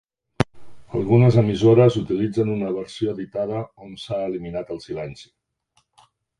Algunes emissores utilitzen una versió editada on s'ha eliminat el silenci.